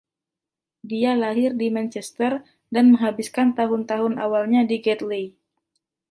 Dia lahir di Manchester dan menghabiskan tahun-tahun awalnya di Gatley.